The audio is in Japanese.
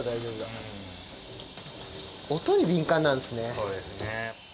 そうですね。